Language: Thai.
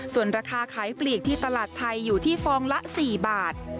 ส่วนราคาขายปลีกที่ตลาดไทยอยู่ที่ฟองละ๔บาท